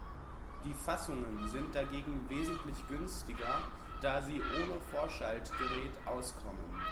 Die Fassungen sind dagegen wesentlich günstiger, da sie ohne Vorschaltgerät auskommen.